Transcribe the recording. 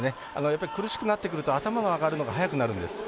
やっぱり、苦しくなってくると頭が上がるのが早くなるんです。